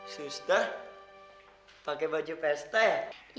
sista pake baju pesta ya